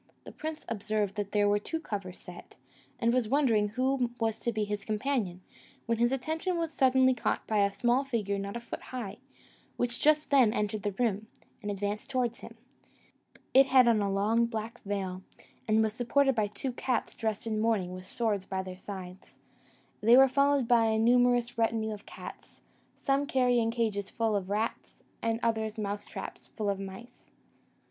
The prince observed there were two covers set, and was wondering who was to be his companion, when his attention was suddenly caught by a small figure not a foot high, which just then entered the room, and advanced towards him. It had on a long black veil, and was supported by two cats dressed in mourning and with swords by their sides: they were followed by a numerous retinue of cats, some carrying cages full of rats, and others mouse traps full of mice.